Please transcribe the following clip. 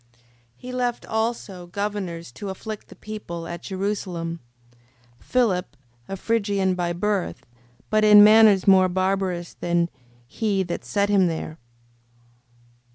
5:22. He left also governors to afflict the people: at Jerusalem, Philip, a Phrygian by birth, but in manners more barbarous than he that set him there: 5:23.